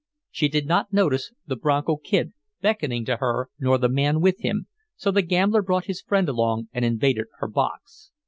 She did not notice the Bronco Kid beckoning to her nor the man with him, so the gambler brought his friend along and invaded her box.